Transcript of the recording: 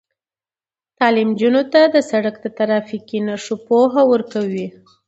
تعلیم نجونو ته د سړک د ترافیکي نښو پوهه ورکوي.